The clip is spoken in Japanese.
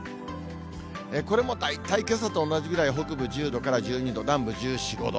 これも大体けさと同じぐらい、北部１０度から１２度、南部１４、５度。